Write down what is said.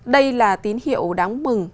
đây là tín hiệu đáng mừng